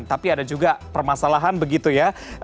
tapi ada juga permasalahan begitu ya